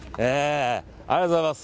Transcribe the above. ありがとうございます。